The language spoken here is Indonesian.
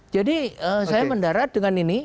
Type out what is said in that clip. jadi saya mendarat dengan ini